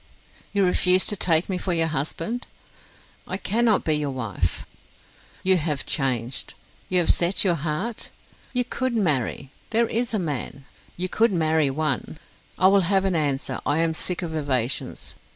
"You refuse to take me for your husband?" "I cannot be your wife." "You have changed? ... you have set your heart? ... you could marry? ... there is a man? ... you could marry one! I will have an answer, I am sick of evasions.